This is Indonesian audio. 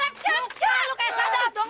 ah lu kayak sadap dong